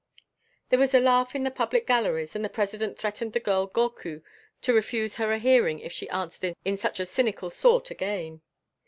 There was a laugh in the public galleries, and the President threatened the girl Gorcut to refuse her a hearing if she answered in such a cynical sort again.